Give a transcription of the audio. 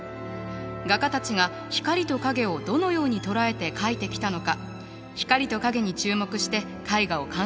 画家たちが光と影をどのように捉えて描いてきたのか光と影に注目して絵画を鑑賞していきましょう。